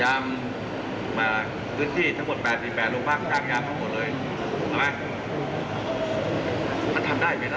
อ่ะไหมมันทำได้ไหมล่ะ